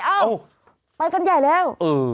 เอ้าไปกันใหญ่แล้ว